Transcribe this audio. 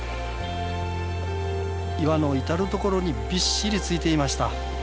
岩の至る所にびっしりついていました。